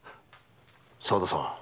沢田さん。